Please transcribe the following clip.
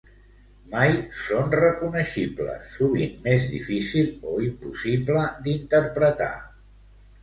Mai són reconeixibles, sovint més difícil o impossible d'interpretar.